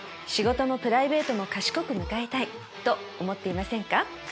仕事もプライベートも賢く迎えたいと思っていませんか？